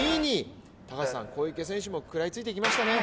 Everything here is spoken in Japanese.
高橋さん、小池選手も食らいついていきましたね。